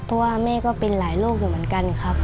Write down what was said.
เพราะว่าแม่ก็เป็นหลายโรคอยู่เหมือนกันครับ